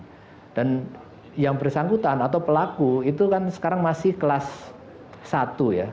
jadi yang bersangkutan atau pelaku itu kan sekarang masih kelas satu ya